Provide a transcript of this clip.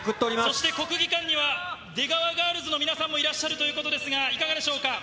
そして国技館には、出川ガールズの皆さんもいらっしゃるということですが、いかがでしょうか。